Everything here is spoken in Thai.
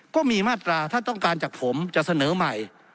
ก็มีมาตราถ้าต้องการจากผมจะเสนอใหม่